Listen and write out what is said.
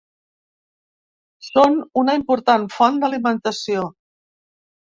Són una important font d'alimentació.